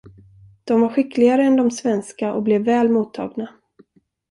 De var skickligare än de svenska och blev väl mottagna.